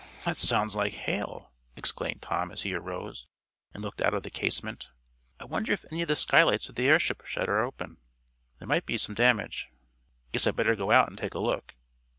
"Humph! That sounds like hail!" exclaimed Tom, as he arose, and looked out of the casement. "I wonder if any of the skylights of the airship shed are open? There might be some damage. Guess I'd better go out and take a look."